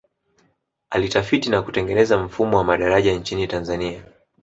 alitafiti na kutengeneza mfumo wa madaraja nchini tanzania